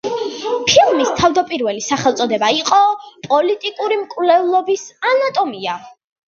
ფილმის თავდაპირველი სახელწოდება იყო „პოლიტიკური მკვლელობის ანატომია“.